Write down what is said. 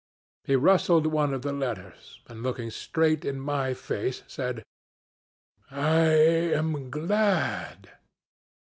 "He rustled one of the letters, and looking straight in my face said, 'I am glad.'